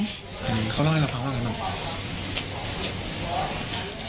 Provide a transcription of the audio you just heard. เขาเล่าให้ฟังว่ากันเหรอ